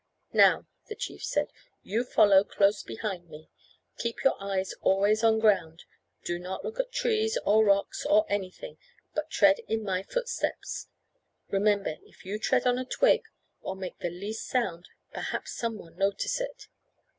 "Now," the chief said, "you follow close behind me. Keep your eyes always on ground. Do not look at trees or rocks, or anything, but tread in my footsteps. Remember if you tread on a twig, or make the least sound, perhaps some one notice it.